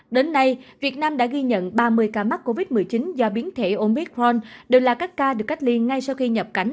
đến nay việt nam đã ghi nhận ba mươi ca mắc covid một mươi chín do biến thể omid ron đều là các ca được cách ly ngay sau khi nhập cảnh